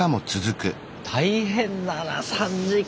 大変だな３時間か。